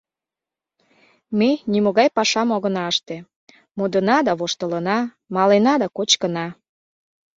Ме нимогай пашам огына ыште — модына да воштылына, малена да кочкына.